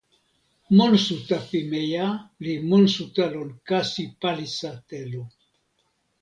monsuta pimeja li monsuta lon kasi palisa telo.